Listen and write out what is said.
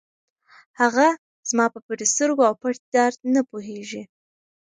هغه زما په پټو سترګو او پټ درد نه پوهېږي.